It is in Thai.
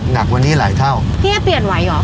หนักวันนี้หลายเท่าพี่เอ๊ะเปลี่ยนไหวหรอ